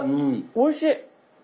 おいしい！